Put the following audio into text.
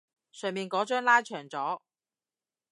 上面嗰張拉長咗